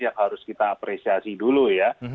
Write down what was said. yang harus kita apresiasi dulu ya